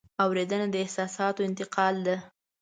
اورېدنه د احساساتو انتقال ده.